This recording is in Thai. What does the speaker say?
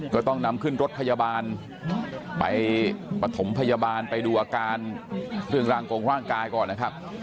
ก็ต้องนำขึ้นรถพยาบาลไปปฐมพยาบาลไปดูอาการเรื่องร่างกงร่างกายก่อนนะครับ